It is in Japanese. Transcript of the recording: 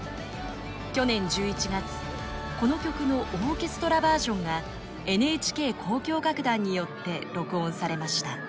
去年１１月この曲のオーケストラバージョンがＮＨＫ交響楽団によって録音されました。